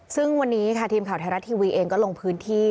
ซึ่งวันนี้ค่ะทีมข่าวไทยรัฐทีวีเองก็ลงพื้นที่